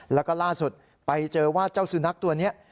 แล้วก็ล่าสุดไปเจอว่าเจ้าสุนัขตัวนี้